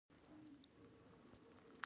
زما ورور په لسم ټولګي کې دی باید بشپړ شي.